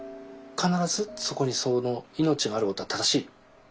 必ずそこにその命があることは正しい。